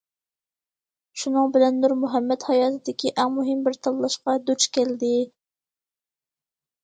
شۇنىڭ بىلەن نۇرمۇھەممەت ھاياتىدىكى ئەڭ مۇھىم بىر تاللاشقا دۇچ كەلدى.